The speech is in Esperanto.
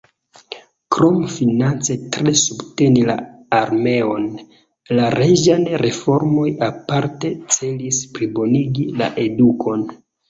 Krom finance tre subteni la armeon, la reĝaj reformoj aparte celis plibonigi la edukon.